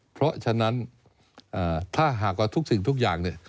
เพราะฉะนั้นถ้าหากว่าทุกสิ่งทุกอย่างเนี่ย